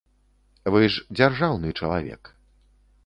Вы ж дзяржаўны чалавек.